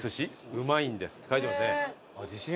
美味いんです」って書いてますね。